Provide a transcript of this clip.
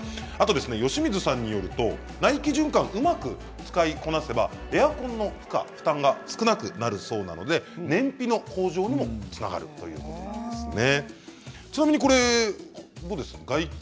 由水さんによりますと内気循環をうまく使いこなせばエアコンの負荷が少なくなるそうなので燃費の向上にもつながるということなんですね。